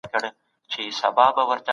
دا وسایل د مغزو برېښنايي څپې ثبتوي.